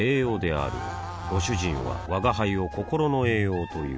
あぁご主人は吾輩を心の栄養という